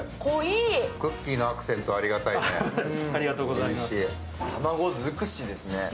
クッキーのアクセントありがたいね、おいしい。